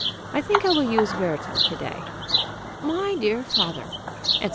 I think I will use Werther to day.... My dear Father" etc.